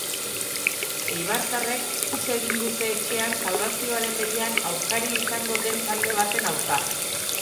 Eibartarrek huts egin dute etxean salbazioaren lehian aurkari izango den talde baten aurka.